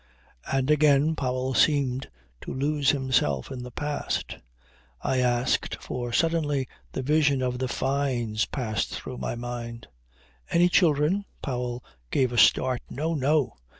And again Powell seemed to lose himself in the past. I asked, for suddenly the vision of the Fynes passed through my mind. "Any children?" Powell gave a start. "No! No!